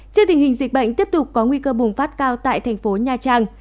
trước tình hình dịch bệnh tiếp tục có nguy cơ bùng phát cao tại thành phố nha trang